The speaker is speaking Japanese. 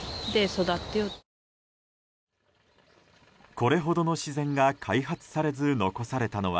これほどの自然が開発されず残されたのは